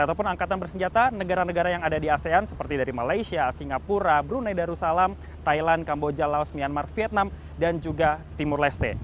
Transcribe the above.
ataupun angkatan bersenjata negara negara yang ada di asean seperti dari malaysia singapura brunei darussalam thailand kamboja laos myanmar vietnam dan juga timur leste